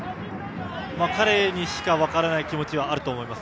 彼にしか分からない気持ちはあると思います。